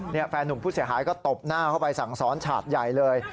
นี่แฟนหนุ่มผู้เสียหายก็ตบหน้าเข้าไปสั่งซ้อนฉาดใหญ่เลย